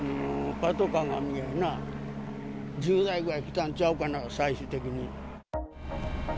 パトカーもな、１０台ぐらい来たんちゃうかな、最終的に。